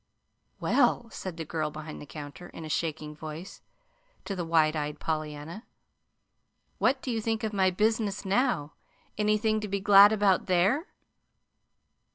"Well," said the girl behind the counter, in a shaking voice, to the wide eyed Pollyanna, "what do you think of my business now? Anything to be glad about there?"